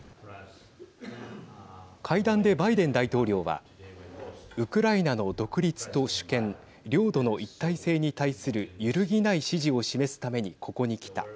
会談でバイデン大統領はウクライナの独立と主権領土の一体性に対する揺るぎない支持を示すためにここに来た。